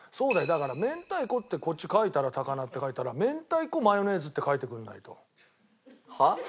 だから明太子ってこっち書いたら高菜で書いたら明太子マヨネーズって書いてくれないと。